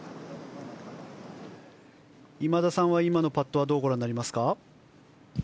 今田さんは今のパットどうご覧になりましたか？